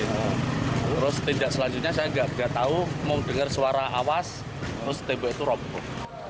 terus tindak selanjutnya saya tidak tahu mau dengar suara awas terus tembok itu roboh